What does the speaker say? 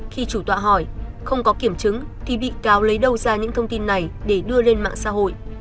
khi chủ tọa hỏi không có kiểm chứng thì bị cáo lấy đâu ra những thông tin này để đưa lên mạng xã hội